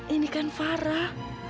ini kan farah